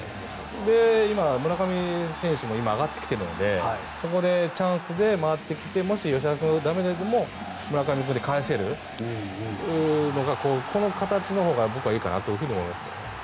今、村上選手も上がってきているのでそこでチャンスで回ってきてもし吉田君が駄目でも村上君でかえせるこの形のほうが僕はいいかなと思いますけどね。